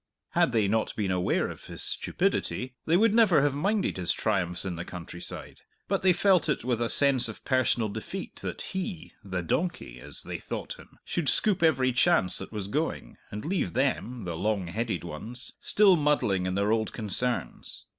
Had they not been aware of his stupidity, they would never have minded his triumphs in the countryside; but they felt it with a sense of personal defeat that he the donkey, as they thought him should scoop every chance that was going, and leave them, the long headed ones, still muddling in their old concerns.